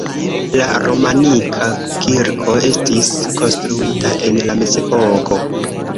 La romanika kirko estis konstruita en la mezepoko.